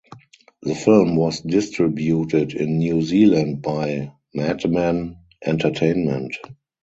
The film was distributed in New Zealand by Madmen Entertainment.